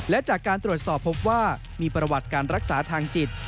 และจากการตรวจสอบพบว่ามีประวัติการรักษาทางจิต